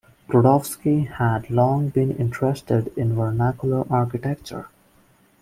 Rudofsky had long been interested in vernacular architecture.